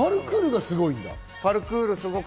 パルクールがすごいんだ。